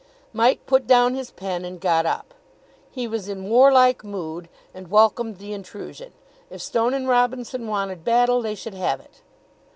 Mike put down his pen, and got up. He was in warlike mood, and welcomed the intrusion. If Stone and Robinson wanted battle, they should have it.